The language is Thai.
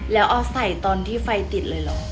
แล้วเอาใส่ตอนที่ไฟติดเลยเหรอ